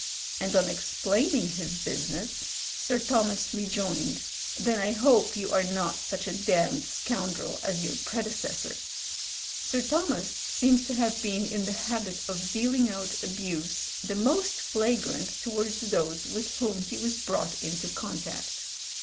and on explaining his business, Sir Thomas rejoined, "Then I hope you are not such a damned scoundrel as your predecessor." Sir Thomas seems to have been in the habit of dealing out abuse the most flagrant towards those with whom he was brought into contact.